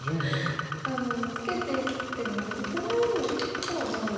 ツケていっても別に取られることはない。